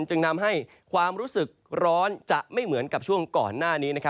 จึงทำให้ความรู้สึกร้อนจะไม่เหมือนกับช่วงก่อนหน้านี้